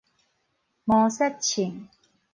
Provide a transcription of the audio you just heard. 毛殺銃